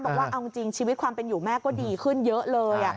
บอกว่าเอาจริงชีวิตความเป็นอยู่แม่ก็ดีขึ้นเยอะเลย